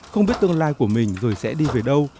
không biết tương lai của mình rồi sẽ đi về đâu